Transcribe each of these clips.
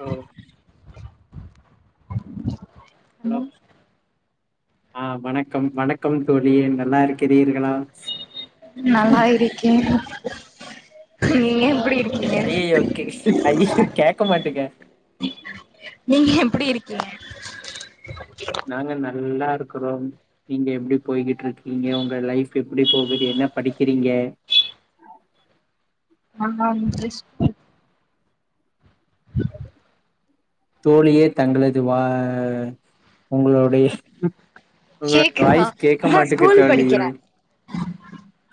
Hello hello ஆ வணக்கம் வணக்கம் தோழி நல்லா இருக்கிறீர்களா நல்லா இருக்கே ஐய்யயோ ஐயே கேக்க மாட்டேக்கா நீங்க எப்டி இருக்கீங்க நாங்க நல்ல இருக்கறோம் நீங்க எப்டி போயிகிட்டு இருக்கிங்க உங்க லைஃப் எப்டி போகுது என்ன படிக்கிறீங்க ஆமா இங்கிலீஷ் அ தோழியே தாங்களது வா உங்களுக்குடைய உங்களோட கேக்குதா வாய்ஸ் கேட்க நா மாட்டுகு ஸ்கூல் தோழியே படிக்கிறே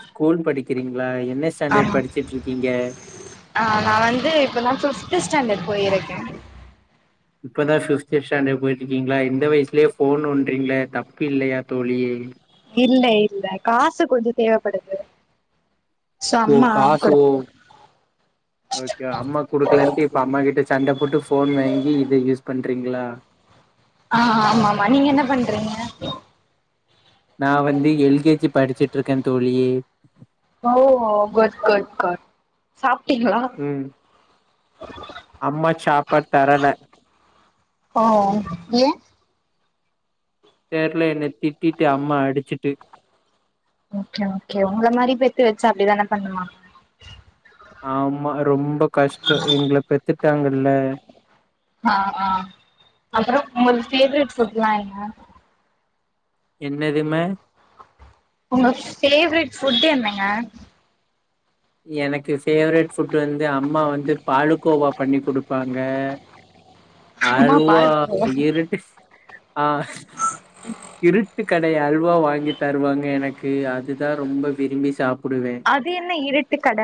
ஸ்கூல் படிக்கிறீங்ளா என்ன ஸ்டாண்டர்ட் ஆமா படிச்சிட்டு இருக்கீங்க ஆ நா வந்து இப்போ தா ஃபிப்த்து ஸ்டண்டர்ட் போயிருக்கே இப்பதா ஃபிப்த் ஸ்டண்டர்ட் போயிட்டு இருக்கீங்ளா இந்த வயசுலேயே ஃபோன் நோன்ட்ரீங்களே தப்பு இல்லையா தோழி இல்ல இல்ல காசு கொஞ்சோ தேவப்படுது சோ கோ அம்மா காசு ஓ குடுத் ஓகே அம்மா குடுக்கலன்ட்டு இப்ப அம்மா கிட்ட சண்ட போட்டு ஃபோன் வாங்கி இத யூஸ் பண்றீங்ளா ஆ ஆமா ஆமா நீங்க என்ன பண்றீங்க நா வந்து எல் கே ஜி படிச்சிட்டு இருக்கே தோழியே ஓ குட் குட் குட் சாப்டீங்ளா ம் அம்மா சாப்பாட் தரல ஓ ஏயே தெர்ல என்ன திட்டிட்டு அம்மா அடிச்சிட்டு ஓகே ஓகே உங்கள மாரி பெத்து வெச்சா அப்டிதானே பண்ணுவாங்க ஆமா ரொம்ப கஷ்டோ எங்கள பெத்துட்டாங்கல்ல ஆ ஆ அப்றோ உங்களுக் ஃபேவரட் ஃபுட்லா என்ன என்னதுமே உங்களு ஃபேவரட் ஃபுட் என்னங்க எனக்கு ஃபேவரட் ஃபுட் வந்து அம்மா வந்து பாலுக்கோவா பண்ணி குடுப்பாங்க அம்மா அல்வா பால்க்கோவா இருட்டு ஆ இருட்டு கடை அல்வா வாங்கி தருவாங்க எனக்கு அதுதா ரொம்ப விரும்பி சாப்டுவே அது என்ன இருட்டு கட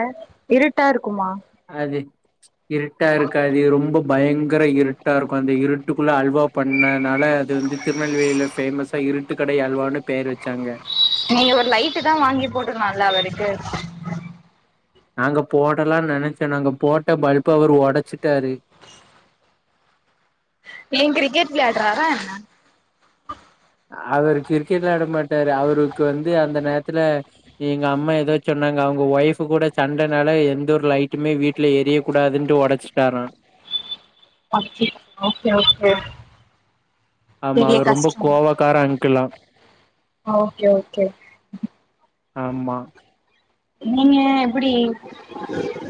இருட்டா இருக்குமா அது இருட்டா இருக்கோ அது ரொம்ப பயங்கர இருட்டா இருக்கு அந்த இருட்டுகுள்ள அல்வா பண்ணனால அது வந்து திருநெல்வேலில ஃபேமஸா இருட்டுக்கடை அல்வானு பேர் வச்சாங்க நீங்க ஒரு லைட்டு தா வாங்கி போட்டிருகலாம்ல அவருக்கு நாங்க போடலான் நெனச்சோ நாங்க போட்ட பல்ப அவரு ஒடச்சிட்டாரு ஏ கிரிக்கெட் விளையாட்ராரா என்ன அவரு கிரிக்கெட் விளையாட மாட்டாரு அவருக்கு வந்து அந்த நேரத்துல எங்க அம்மா ஏதோச் சொன்னாங்க அவுங்க ஒய்ஃப் கூட சண்டனால எந்த ஒரு லைட்டுமே வீட் ல எரியக் கூடாதுன்ட்டு ஒடச்சிட்டாரா அப்டியா ஓகே ஓகே ஆமா பெரிய அவர் ரொம்ப கஷ்டந்தா கோவக்கார அங்கிள்லா ஓகே ஓகே ஆமா நீங்க எப்டி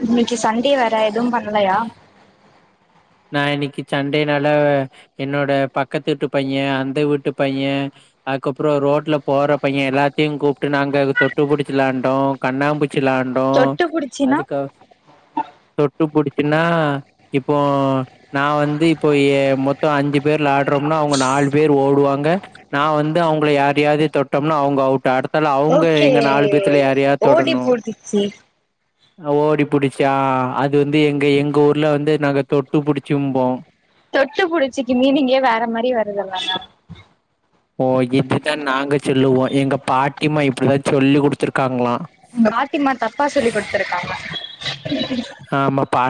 இன்னைக்கி சண்டே வேற எதுவு பண்ணலயா நா இன்னைக்கி சண்டைனால என்னோட பக்கத்து வீட்டு பையே அந்த வீட்டு பையே அதுக்கப்றோ ரோட்ல போற பையே எல்லாத்தையு கூப்டு நாங்க தொட்டு புடிச்சி விளாண்டோ கண்ணாம்பூச்சி விளாண் டோ தொட்டு புடிச்சினா அதுக்கு தொட்டு புடிச்சினா இப்போ நா வந்து இப்போ எ மொத்தோ அஞ்சு பேர் வெளாடுறோம்னா அவங்க நாலு பேர் ஓடுவாங்க நா வந்து அவங்கள யாரையாது தொட்டோம்னா அவங்க அவுட் அடுத் தால அவங்க ஓகே எங்க நாலு பேத்துல யாரையாது ஓடி தொடணு புடிச்சி ஓடி புடிச்சா அது வந்து எங்க எங்க ஊர்ல வந்து நாங்க தொட்டு புடிச்சி இம்போ தொட்டு புடிச்சிக்கு மீனிங்கே வேற மாரி வருதுல்லங்க ஓ இப்டிதா நாங்க சொல்லுவோ எங்க பாட்டிமா இப்டிதா சொல்லி குடுத்துருக்காங்ளா பாட்டிமா தப்பா சொல்லி குடுத்ருக்காங்க ம் ஆமா பா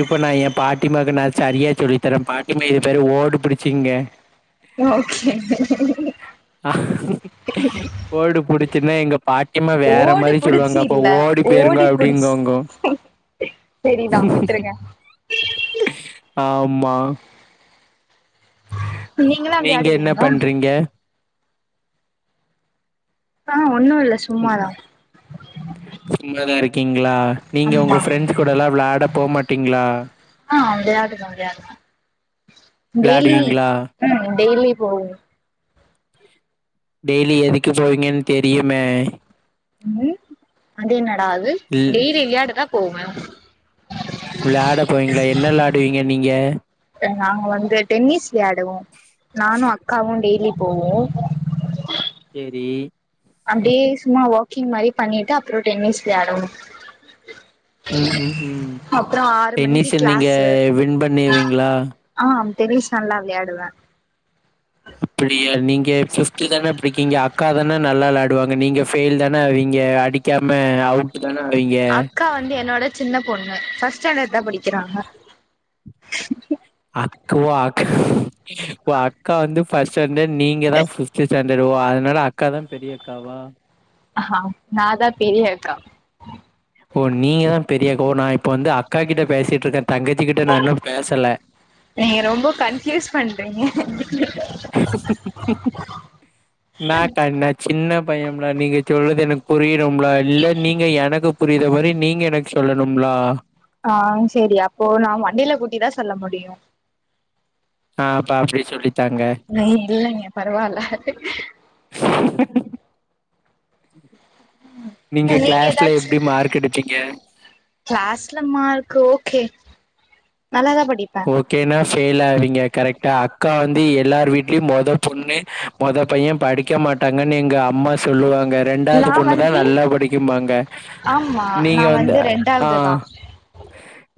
இப்ப நா ஏ பாட்டிமாக்கு நா சரியா சொல்லிதரே பாட்டிமா இது பேரு ஓடுபுடிச்சிங்க ஓகேங்க ஆ ஓடு புடிச்சினா எங்க பாட்டிமா வேற ஓடி மாரி புடிச்சு சொல்லுவாங்க அப்ப ஓடி பேய்ருங்க அப்டிம்பாங்கோ செரி தா விட்ருங்க ஆம்மா நீங்களா நீங்க என்ன விளையாடுவீங்களா பண்றீங்கே ஆ ஒண்ணு இல்ல சும்மா ம். தா சும்மா தா இருக்கீங்களா நீங்க உங்க ஆமா ஃப்ரெண்ட்ஸ் கூடல்லா வெளாட போகமாட்டீங்களா ஆ வெளாடடுவோ வெளாடுவோ டெய்லி விளையாடுவீங்களா? ம் டெய்லி போகு டெய்லி எதுக்கு போவீங்கன்னு தெரியுமே ம் அது என்னடா அது இல் டெய்லி வெளாட தா போவே வெளாட போவீங்களா என்ன வெளாடுவீங்க நீங்கே நாங்க வந்து டென்னிஸ் வெளாடுவோ நானு அக்காவு டெய்லி போவோ சேரி அப்பிடியே சும்மா வாக்கிங் மாரி பண்ணிட்டு அப்றோ டென்னிஸ் வெளாடுவோ ம் ம் ம் அப்றோ ஆறு மணிக்கு டென்னிஸ் நீங்க கிளாஸ்சு வின் பண்ணுவீங்களா ஆ டென்னிஸ் நல்லா வெளாடுவே அப்படியா நீங்க ஃபிப்து தானே படிக்கிங்க அக்கா தானே நல்லா வெளாடுவாங்க ஃபயில் தானே ஆவீங்க அடி கேம அவுட்டு தானே ஆவீங்க அக்கா வந்து என்னோட சின்ன பொண்ணு பர்ஸ்ட் ஸ்டாண்ட் தா படிக்கிறாங்க க்கா ஓ அக்கா ஓ அக்கா வந்து ஃபர்ஸ்ட் ஸ்டாண்ட் நீங்க தா பிப்த் ஸ்டாண்டர்ட் ஒ அதனால அக்கா தா பெரிய அக்காவா ஆ நா தா பெரிய அக்கா ஓ நீங்க தா பெரியாக்க ஓ நா இப்ப வந்து அக்கா கிட்ட பேசிட்டு இருக்கே தங்கச்சி கிட்ட நா இன்னோ பேசல நீங்க ரொம்ப கன்பியூஸ் பண்றீங்க [inaudible] [inaudible] நா கண்ண சின்ன பையம்லா நீங்க சொல்றது எனக்கு புரியுபுலா இல்ல நீங்க எனக்கு புரியிற மாரி நீங்க எனக்கு சொல்லணும்லா ஆ செரி அப்போ நா மண்டலே கெட்டி தா சொல்ல முடியு ஆ அப்பா அப்டி சொல்லித்தாங்க ஆ இல்லங்க பெரவால [inaudible] நீங்க கிளாஸ்ல எப்டி மார்க் எடுப்பீங்க கிளாஸ்ல மார்க்கு ஓகே நல்லாதா படிப் ஓகேனா பெய்ல் ஆவீங்க கரெக்டா அக்கா வந்து எல்லார் வீட்லயு மொத பொண்ணு மொத பையன் படிக்க மாட்டாங்கன்னு எங்க அம்மா சொல்லு வாங் க ரெண்டாவது நா பொண்ணுதா வந்து நல்லா படிக்கு பாங்க ஆமா நீங்க நா வந்து ஆ ரெண்டாவது தா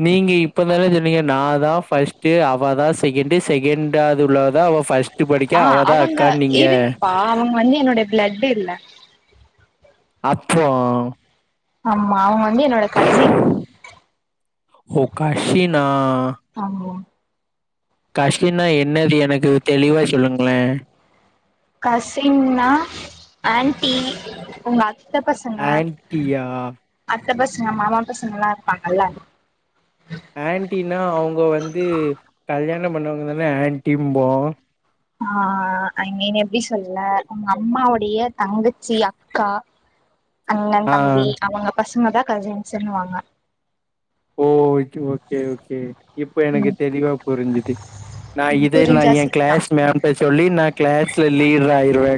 நீங்க இப்ப தானே சொன்னீங்க நா தா ஃபஸ்ட்டு அவ தா செகண்ட் செகண்ட்டாது உள்ளதா அவ ஃபஸ்ட் ஆ அவுங்க இருங் பா அவுங்க வந்து என்னோட பிளட் இல்ல அப்போ ஆமா அவுங்க வந்து என்னோட கசின் ஓ கசினா ஆமா கசின்னா என்னது எனக்கு தெளிவா சொல்லுங்களே கசின்னா ஆன்ட்டி உங்க அத்த பசங்க ஆன்ட்டியா அத்த பசங்க மாமா பசங்க எல்லா இருப்பாங்கல்ல ஆன்ட்டினா அவுங்க வந்து கல்யாண பண்ண வாங்க தானே ஆன்ட்டி இம் போ ஆ ஐமின் எப்புடி சொல்ல உங்க அம்மாவுடைய தங்கச்சி அக்கா அண்ணன் ஆ தம்பி அவுங்க பசங்க தா கசின்ஸ்ன்னு வாங்க ஓ ஓகே ஓகே ஓகே இப்ப எனக்கு ம் தெளிவா புரிஞ்சுது நா இத நா புரிஞ்சா என் சரிதா கிளாஸ் மேம் கிட்ட சொல்லி நா கிளாஸ்லா லீடர் ஆயிருவே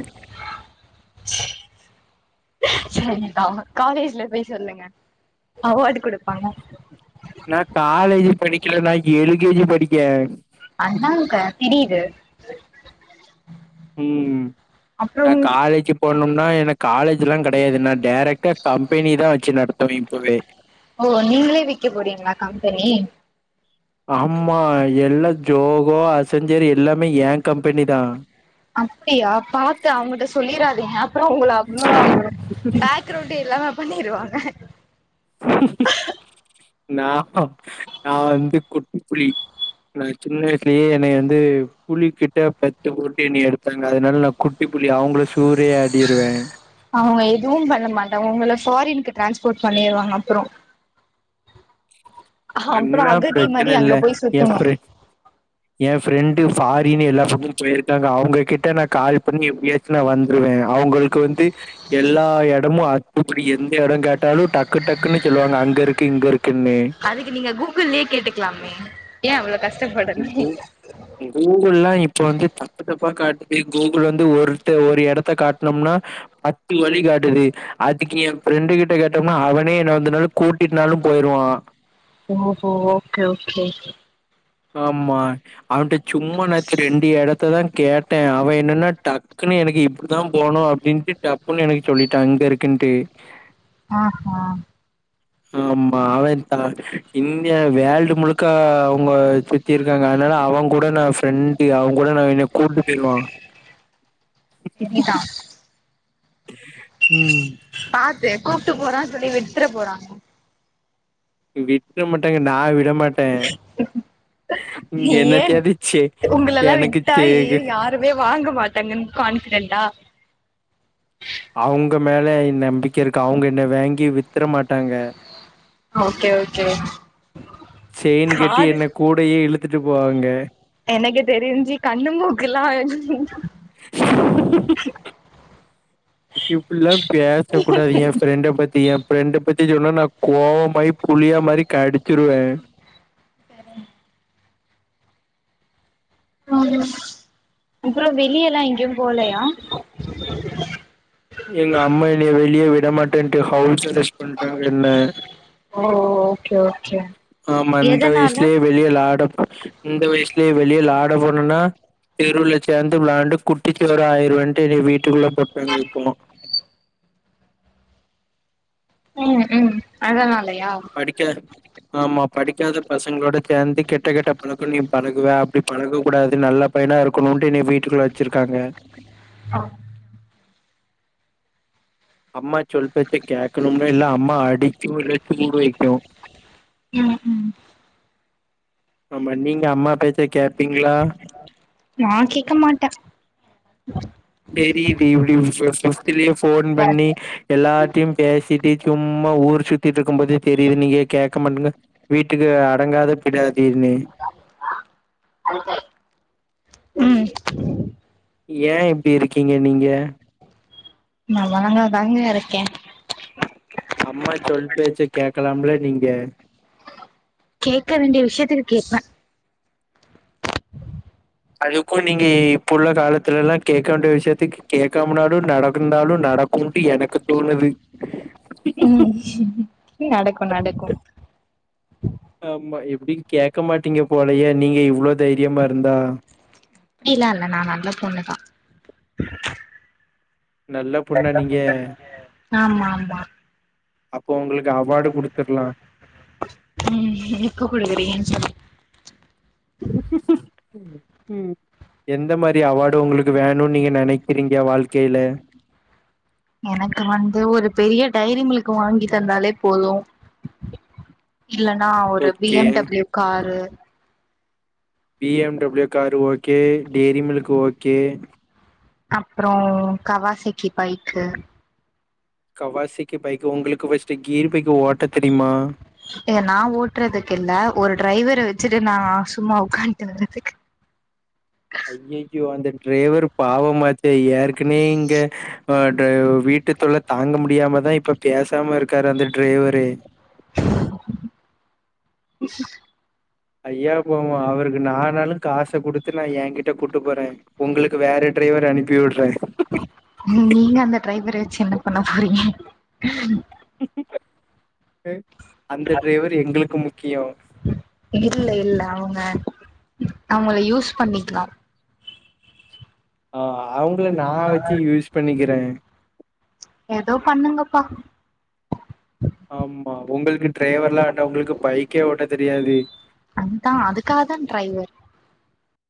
சரிக்கா காலேஜ்ல போய் சொல்லுங்க அவார்டு கொடுப்பாங்க நா காலேஜ் படிக்கல நா எல் கே ஜி படிக்கே ஆனாங்க இது இது ம் நா காலேஜ் போனும்னா எனக்கு காலேஜ் எல்லா கிடையாது என்னா டைரக்டா கம்பெனி தா வச்சு நடத்துவே தோழி ஓ நீங்களே வெக்க போறீங்களா கம்பெனி ஆம்மா எல்லா ஜோவே செஞ்சது எல்லாமே ஏன் கம்பெனி தா அப்புடியா பாத்து அவுங்கிட்ட சொல்லிராதீங்க அப்புற உங்கள அவ்வுளவு தா பே க்ரவுண்டே இல்லாம பண்ணிரு வாங்க நா நா வந்து குட்டிப் புலி நா சின்ன வயசுலேயே என்னைய வந்து புலிக்கிட்ட பத்து ஓட்டி என்னைய எடுத்தாங்க அதனால நா கு ட்டி புலி அவுங்கள சூறை ஆடிருவே அவுங்க எதுவு பண்ண மாட்டாங்க உங்களை ஃபாரினுக்கு டிரான்ஸ்போர்ட் பண்ணிரு வாங்க அப்புறே அப்புறே அண்ணா அகதி மாறி பிரச்சனை இல்ல. அங்க போயி என் சுத்தணு ஃப்ரெண்ட் என் ஃப்ரெண்டு ஃப்ரின்னு எல்லா பக்கமும் போயிருக்கங்க அவுங்க கிட்ட நா கால் பண்ணி எப்புடியா சோ வந்துருவே அவுங்களுக்கு வந்து எல்லா இடமு அத்துப்படி எந்த இடனு கேட்டாலு டக்கு டக்குன்னு சொல்லு வாங்க அங்க இருக்கு இங்க இருக்குன்னு அதுக்கு நீங்க கூகுள்யே கேட்டுக்கலாமே ஏன் அவ்வளே கஷ்டப்படணு கூகுள் எல்லா இப்ப வந்து தப்பு தப்பா காட்டுது கூகுள் வந்து ஒருத்த ஒரு இடத்த காட்டனம்னா பத்து வழி காட்டுது அதுக்கு என் ஃப்ரெண்டு கிட்ட கேட்டம்னா அவனே என்ன வந்துனாவது கூட்டினாலு போயிருவா ஓ ஹோ ஓகே ஓகே ஆமா அவுன்ட சும்மா நாச்சுக்கு ரெண்டு இடத்த தா கேட்டே அவன் என்னன்னா டக்குன்னு எனக்கு இப்புடி தா போவணு டின்ட்டு டப்புன்னு எனக்கு சொல்லிட்டா அங்கருக்குன்ட்டு ஆ ஆ ஆமா அவன் தா இந்தியா வேல்டு முழுக்க அவங்க சுத்தியிருக்காங்க அதனால அவங்கூட நா ஃப்ரெண்டு் அவங் கூட நா என்ன கூட்டு போயிருவா செரிதா ம் பாத்து கூப்ட்டு போறா சொல்லி விட்ற போறாங்க விக்க மாட்டாங்க நா விட மாட்டே ஏன் என்னத்த வெச்சு எனக்கு தேகு இப்பவே வாங்க மாட்டாங்கன்னு கான்பிடென்டா அவ்ங்க மேல நம்பிக்கை இருக்கு அவுங்க என்ன வாங்கி வித்துற மாட்டாங்க ஓகே ஓகே ஓ செயினு கட்டி என்ன கூடயே இழுத்துட்டு போவாங்க எனக்கு தெரிஞ்சு கண்ணு மூக்கெல்லா இப்டில்லா பேசக் கூடாது எ ஃப்ரெண்ட பத்தி ஃப்ரெண்ட பத்தி சொன்ன நா கோவமாயி புலியா மாரி கடிச்சிருவே [unintelligible] அ அப்றோ வெளியெல்லா எங்கையு போலயா [unintelligible] சந்த எங்க அம்மா என்ய வெளிய விட மாட்டேன்ட்டு ஹவுஸ் அரெஸ்ட் பண்டாங்க என்ன ஓ ஓகே ஓகே ஆமா இந்த எதனால வயசுலியே வெளியெல்லா ஆட போ இந்த வயசுலியே வெளியெல்லா ஆட போனுன்னா தெருவுல சேந்து விளாண்டு குட்டிச்செவுராயிரிருவன்ட்டு என்னிய வீட்டுக்குள்ள போட்டாங்கோ இப்போ ம் ம் அதானாலயா அடிக்காரு ஆமா படிக்காத பசங்களோட சேந்து கெட்ட கெட்ட பழக்கோ நீ பழகுவ அப்டி பழகக்க கூடாது நல்லா பையனா இருக்கணுன்ட்டு என்னிய வீட்டுக்குள்ள வெச்சிருக்காங்க அ அம்மா சொல் பேச்ச கேக்கணுமில்ல இல்ல அம்மா அடிச்சு [unintelligible] சூடு வைக்கு ம் ம் ஆமா நீங்க அம்மா பேச்ச கேப்பீங்களா நா கேக்க மாட்டே செரி [unintelligible] ஃபோன் பண்ணி எல்லார்டையு பேசிட்டு சும்மா ஊர் சுத்திட்டு இருக்கும்போதே தெரியிது நீங்க கேக்க மாட்ட வீட்டுக்கு அடங்காத பிடாத தீர்னு [inaudible] ம் ஏ இப்டி இருக்கீங்க நீங்க நா வளங்காத் தாங்கா இருக்கே அம்மா சொல் பேச்ச கேக்கலாம்ல நீங்க கேக்க வேண்டிய விஷயத்துக்கு கேப்பே அதுக்கும் நீங்க இப்ப உள்ள காலத்துல எல்லா கேக்க வேண்டிய விஷயத்துக்கு கே கேக்காமுனாலு நடக்குந்தாலு நடக் குன்டு எனக்கு தோணுது ம் நடக்கு நடக்கு ஆம்மா எப்டி கேக்க மாட்டீங்க போலயே நீங்க இவ்ளோ தைரியமா இருந்தா அப்படிலா இல்ல நா நல்லா பொண்ணுதா நல்ல பொண்ணா நீங்க ஆமா ஆமா அப்போ உங்களுக்கு அவார்டு குடுத்துர்லாம் உம் எப்ப குடுக்குறீங்கன்னு சொல்லு [inaudible] ம் எந்த மாரி அவார்டு உங்களுக்கு வேணுன்னு நீங்க நினைக்கிறீங்க வாழ்க்கையில எனக்கு வந்து ஒரு பெரிய டைரி மில்க்கு வாங்கி தந்தாலே போதும் இல்லன்னா ஒரு okay BMW car BMW car okay diary milk okay அப்புறம் கவாசைக்கி பைக்கு கவாசிக்கு பைக்கு உங்களுக்கு ஃபர்ஸ்ட்டு கீர் பைக்கு ஓட்ட தெரியுமா ஏ நா ஓட்டுறதுக்கு இல்ல ஒரு டிரைவர வச்சுட்டு நா சும்மா உக்கான்டு வர்றதுக்கு ஐயய்யோ அந்த டிரைவர் பாவமாச்ச ஏற்கனே இங்க ஆ வீட்டுத்தொல்ல தாங்க முடியாம தா இப்ப பேசாம இருக்காரு அந்த டிரைவரே [inaudible] ஐயா போவம் அவருக்கு நானாளும் காச குடுத்து நா என்கிட்ட கூட்டு போற உங்களுக்கு வேற டிரைவர் அனுப்பி வுட்ற நீங்க அந்த ட்ரைவர வச்சு என்ன பண்ண போறீங்க அந்த டிரைவர் எங்களுக்கு முக்கியோ இல்ல இல்ல அவுங்க அவுங்கள யூஸ் பண்ணிக்கலாம் ஆ அவுங்கள நா வச்சு யூஸ் பண்ணிக்கிற எதோ பண்ணுங்கப்பா ஆமா உங்களுக்கு டிரைவர்லா வேண்டா உங்களுக்கு பைக்கே ஓட்ட தெரியாது அந்தான் அதுக்காதான் டிரைவர்